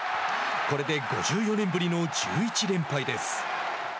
これで５４年ぶりの１１連敗です。